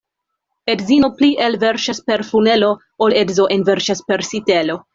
Edzino pli elverŝas per funelo, ol edzo enverŝas per sitelo.